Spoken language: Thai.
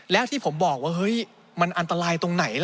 แล้วที่ผมบอกว่าเฮ้ยมันอันตรายตรงไหนล่ะ